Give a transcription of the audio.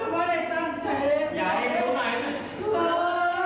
ไม่ได้ตั้งใจไม่ได้ตั้งใจ